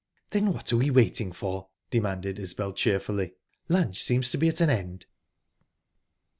"Then what are we waiting for?" demanded Isbel cheerfully. "Lunch seems to be at an end."